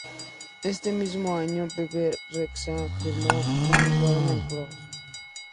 Ese mismo año, Bebe Rexha firmó con Warner Bros.